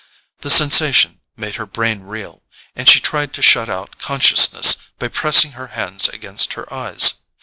The sensation made her brain reel, and she tried to shut out consciousness by pressing her hands against her eyes.